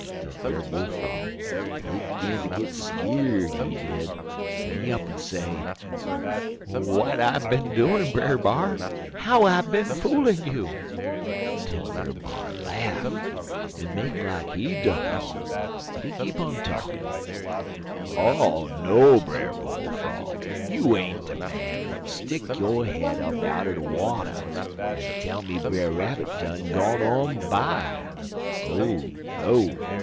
"Den Brer Bull frog, he gin ter git skeer'd, he did, en he up'n say: "'W'at I bin doin', Brer B'ar? How I bin foolin' you?' "Den Brer B'ar laff, en make like he dunno, but he keep on talkin'. "'Oh, no, Brer Bull frog! You ain't de man w'at stick yo' head up out'n de water en tell me Brer Rabbit done gone on by. Oh, no!